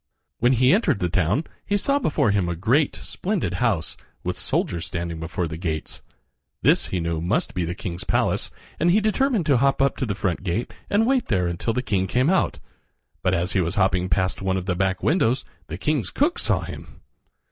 When he entered the town he saw before him a great, splendid house, with soldiers standing before the gates. This he knew must be the king's palace, and he determined to hop up to the front gate and wait there until the king came out. But as he was hopping past one of the back windows the king's cook saw him.